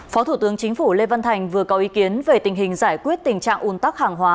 phó thủ tướng chính phủ lê văn thành vừa có ý kiến về tình hình giải quyết tình trạng ủn tắc hàng hóa